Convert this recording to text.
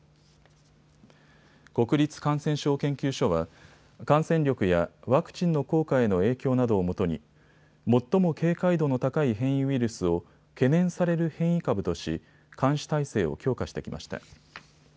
国立感染症研究所は感染力やワクチンの効果への影響などをもとに最も警戒度の高い変異ウイルスを懸念される変異株とし監視体制を強化してきました。